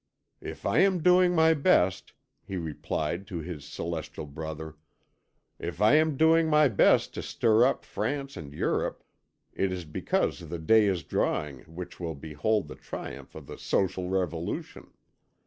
"If I am doing my best," he replied to his celestial brother, "if I am doing my best to stir up France and Europe, it is because the day is dawning which will behold the triumph of the social revolution.